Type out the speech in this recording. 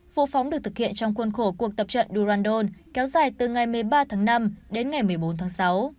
vụ phóng được thực hiện trong khuôn khổ cuộc tập trận durandon kéo dài từ ngày một mươi ba tháng năm đến ngày một mươi bốn tháng sáu